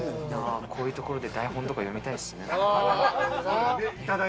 こういうところで台本とか読みたいですね。